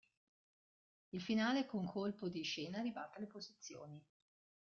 Il finale, con colpo di scena ribalta le posizioni.